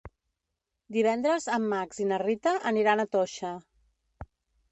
Divendres en Max i na Rita aniran a Toixa.